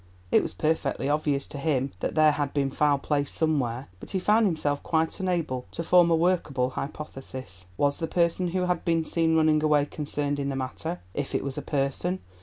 It was perfectly obvious to him that there had been foul play somewhere, but he found himself quite unable to form a workable hypothesis. Was the person who had been seen running away concerned in the matter?—if it was a person.